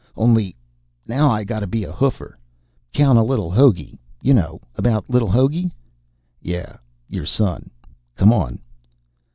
_ only now I gotta be a hoofer. 'Count of li'l Hogey. You know about li'l Hogey?" "Yeah. Your son. Come on."